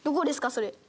それ。